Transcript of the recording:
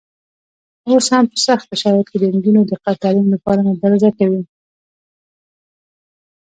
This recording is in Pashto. اوس هم په سختو شرایطو کې د نجونو د تعلیم لپاره مبارزه کوي.